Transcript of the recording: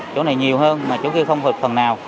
chỗ này nhiều hơn mà chỗ kia không vượt phần nào